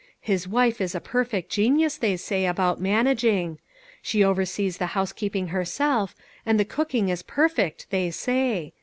His wife is a perfect genius, they say, about managing. She oversees the house keeping herself, and the cooking is perfect they say.